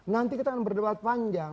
nanti kita akan berdebat panjang